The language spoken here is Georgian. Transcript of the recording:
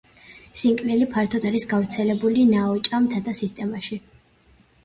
სინკლინი ფართოდ არის გავრცელებული ნაოჭა მთათა სისტემებში.